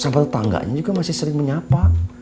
sampai tetangganya juga masih sering menyapa